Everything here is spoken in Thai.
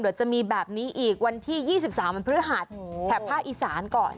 เดี๋ยวจะมีแบบนี้อีกวันที่๒๓วันพฤหัสแถบภาคอีสานก่อน